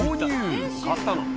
買ったの？